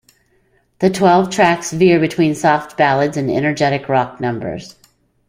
The twelve tracks veer between soft ballads and energetic rock numbers.